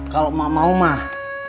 kalau mak mau mak